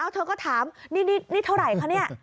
เธอก็ถามนี่เท่าไหร่คะเนี่ย